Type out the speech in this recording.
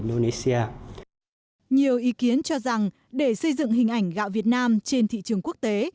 nhiều ý kiến cho rằng để xây dựng hình ảnh gạo việt nam trên thị trường quốc tế